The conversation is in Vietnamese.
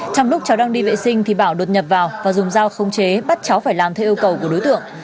trong lúc cháu đang đi vệ sinh thì bảo đột nhập vào và dùng dao không chế bắt cháu phải làm theo yêu cầu của đối tượng